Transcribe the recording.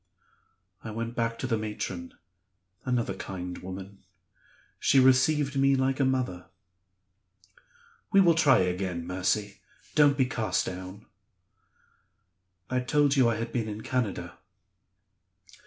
I went back to the matron another kind woman. She received me like a mother. 'We will try again, Mercy; don't be cast down.' I told you I had been in Canada?"